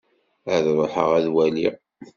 Ad ruḥeɣ ad waliɣ.